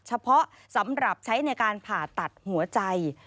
เฉพาะสำหรับใช้ในการผ่าตัดหัวใจ